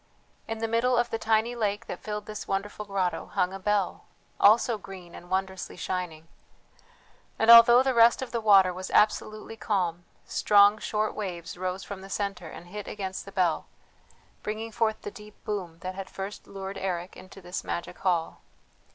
In the middle of the tiny lake that filled this wonderful grotto hung a bell, also green and wondrously shining; and although the rest of the water was absolutely calm, strong short waves rose from the centre and hit against the bell, bringing forth the deep boom that had first lured Eric into this magic hall.